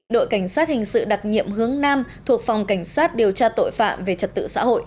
đội cảnh sát hình sự đặc nhiệm hướng nam thuộc phòng cảnh sát điều tra tội phạm về trật tự xã hội